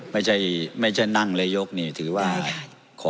ไม่ใช่ไม่ใช่นั่งแล้วยกนี่ถือว่าได้ค่ะ